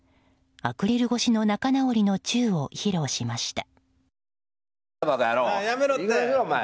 アクリル越しの仲直りのチューを披露しました。